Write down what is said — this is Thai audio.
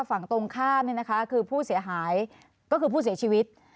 ฝั่งตรงข้ามเนี่ยนะคะคือผู้เสียหายก็คือผู้เสียชีวิต